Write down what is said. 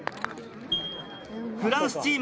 ここでフランスチーム